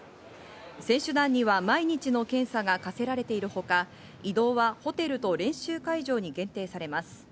選手団には毎日の検査が課せられているほか、移動はホテルと練習会場に限定されます。